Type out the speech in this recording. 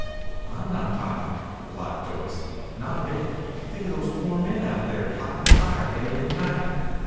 "I'm not tired," replied Joyce. "Not a bit. Think of those poor men out there fighting the fire day and night.